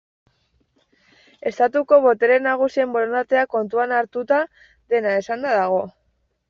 Estatuko botere nagusien borondatea kontuan hartuta, dena esanda dago.